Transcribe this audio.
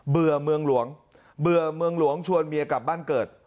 ื่อเมืองหลวงเบื่อเมืองหลวงชวนเมียกลับบ้านเกิด